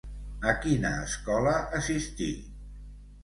A quina escola assistí?